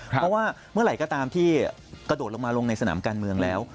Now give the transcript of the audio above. เพราะว่าเมื่อไหร่ก็ตามที่กระโดดลงมาลงในสนามการเมืองแล้ว